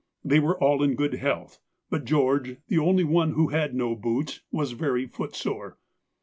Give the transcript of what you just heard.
They were all in good health, but George, the only one who had no boots, was very footsore.